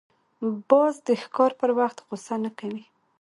باز د ښکار پر وخت غوسه نه کوي